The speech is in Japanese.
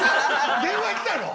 電話来たの？